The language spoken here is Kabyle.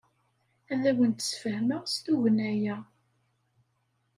Ad awen-d-sfehmeɣ s tugna-a.